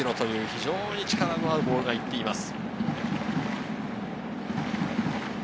非常に力のあるボールが行っています。